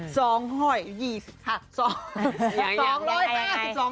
สองห่อยยี่สี่สอง